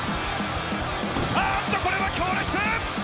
あっとこれは強烈！